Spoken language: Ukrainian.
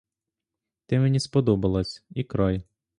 Ти мені сподобалась — і край!